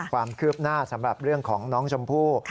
ความคืบหน้าสำหรับเรื่องของน้องชมพู่